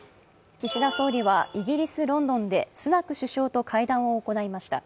岸田総理はイギリス・ロンドンでスナク首相と会談を行いました。